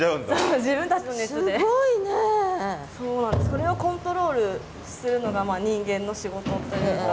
それをコントロールするのが人間の仕事というか。